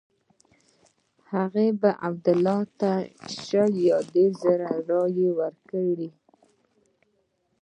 هغه به عبدالله ته شل یا دېرش زره رایې ورکړي.